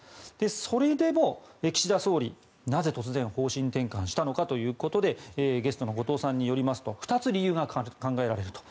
それでも、岸田総理なぜ突然方針転換したのかということでゲストの後藤さんによりますと２つ理由が考えられると。